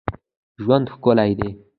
ژوند ښکلی دی